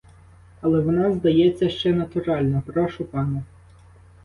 Але вона, здається, ще натуральна, прошу пана.